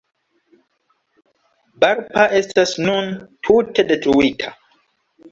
Barpa estas nun tute detruita.